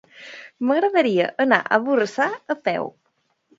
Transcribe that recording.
M'agradaria anar a Borrassà a peu.